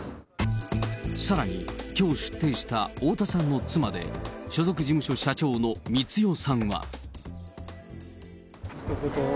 さらに、きょう出廷した、太田さんの妻で、所属事務所社長の光代さんは。ひと言。